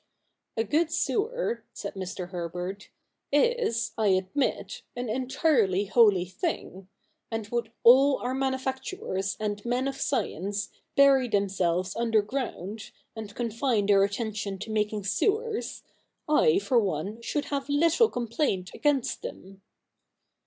' A good sewer,' said Mr. Herbert, ' is, I admit, an entirely holy thing ; and would all our manufacturers and men of science bury themselves underground, and confine their attention to making sewers, I, for one, should have little complaint against them.'